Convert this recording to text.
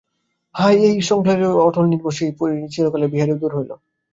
হায়, এই সংসারের অটল নির্ভর সেই চিরকালের বিহারীও দূর হইল।